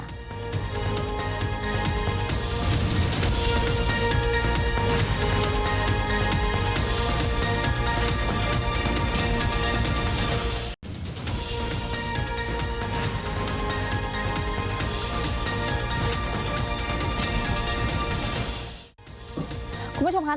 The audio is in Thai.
คุณผู้ชมค่ะในสวัสดีครับ